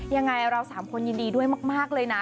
ยังไงเราสามคนยินดีด้วยมากเลยนะ